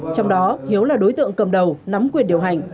trong đó hiếu là đối tượng cầm đầu nắm quyền điều hành